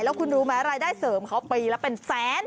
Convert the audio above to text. แล้วคุณรู้ไหมรายได้เสริมเขาปีละเป็นแสน